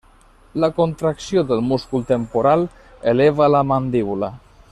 La contracció del múscul temporal eleva la mandíbula.